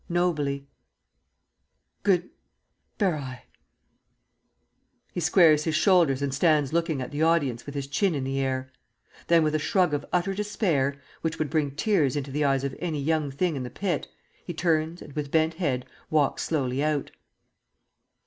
Nobly_) Good ber eye. [_He squares his shoulders and stands looking at the audience with his chin in the air; then with a shrug of utter despair, which would bring tears into the eyes of any young thing in the pit, he turns and with bent head walks slowly out.